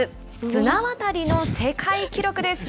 綱渡りの世界記録です。